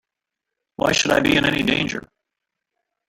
Why should I be in any danger?